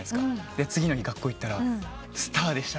次の日学校行ったらスターでしたね。